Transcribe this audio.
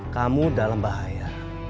kamu dalam bahaya